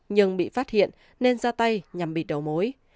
nhưng bị phát hiện nên ra tay nhằm bịt đầu mối